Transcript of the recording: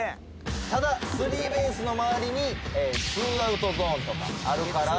ただ３ベースの周りに２アウトゾーンとかあるから。